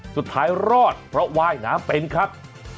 สุดท้ายรอดเพราะว่ายน้ำเป็นครับ